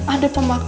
ada pemakamannya ma